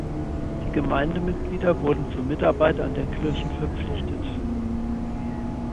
Die Gemeindemitglieder wurden zur Mitarbeit an der Kirche verpflichtet.